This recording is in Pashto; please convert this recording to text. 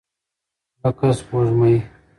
لکه سپوږمۍ.